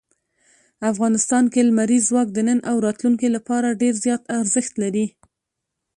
افغانستان کې لمریز ځواک د نن او راتلونکي لپاره ډېر زیات ارزښت لري.